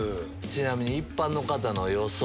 ちなみに一般の方の予想。